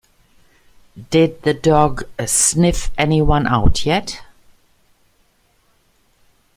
Did the dog sniff anyone out yet?